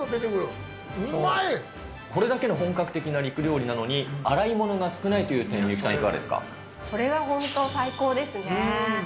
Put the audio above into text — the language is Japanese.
これだけの本格的な肉料理なのに、洗い物が少ないという点、それは本当、最高ですね。